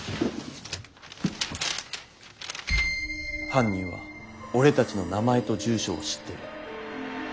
犯人は俺たちの名前と住所を知ってる。